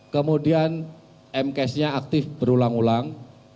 kemudian mcas nya aktif berulang ulang